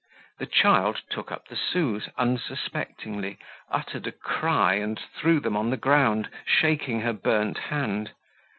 The child took up the sous unsuspectingly, uttered a cry and threw them on the ground, shaking her burnt hand.